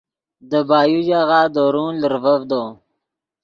دے بایو ژاغہ درون لرڤڤدو